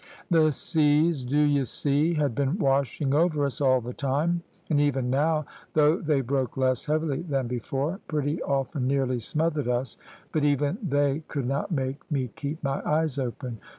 The seas, do ye see, had been washing over us all the time, and even now, though they broke less heavily than before, pretty often nearly smothered us, but even they could not make me keep my eyes open.